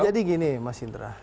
jadi gini mas indra